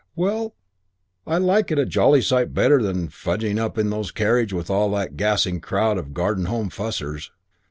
"Well, I like it a jolly sight better than fugging up in those carriages with all that gassing crowd of Garden Home fussers."